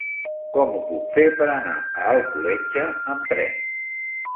Com ho puc fer per anar a Alcoletge amb tren?